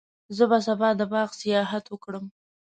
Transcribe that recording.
زه به سبا د باغ سیاحت وکړم.